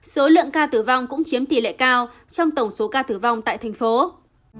số lượng ca tử vong cũng chiếm tỉ lệ cao trong tổng số ca tử vong tại tp hcm